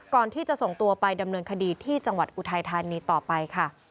ก่อนที่จะส่งตัวไปดำเนินคดีที่จังหวัดอุทัยธานีต่อไปค่ะ